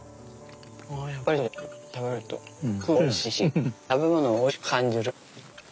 やっぱり外で食べると空気がおいしいし食べ物をおいしく感じる。